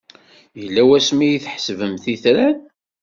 Yella wasmi ay tḥesbemt itran?